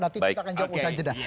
nanti kita akan jawab usaha jeda